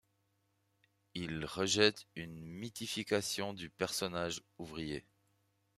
Il rejette une mythification du personnage ouvrier.